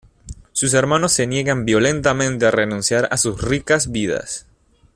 Sus hermanos se niegan violentamente a renunciar a sus ricas vidas.